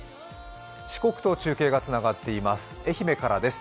四国と中継がつながっています、愛媛からです。